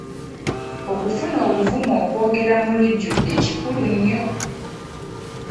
Okufuna obuvumu okwogera mulujudde kikulu nnyo.